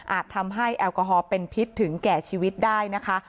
ทำให้แอลกอฮอลเป็นพิษถึงแก่ชีวิตได้นะคะ